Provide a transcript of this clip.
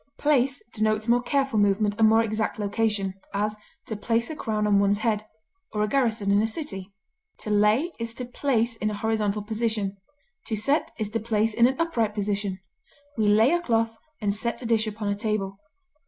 Place denotes more careful movement and more exact location; as, to place a crown on one's head, or a garrison in a city. To lay is to place in a horizontal position; to set is to place in an upright position; we lay a cloth, and set a dish upon a table.